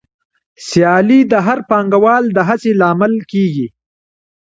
سیالي د هر پانګوال د هڅې لامل کېږي